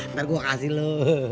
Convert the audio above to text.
ntar gua kasih lu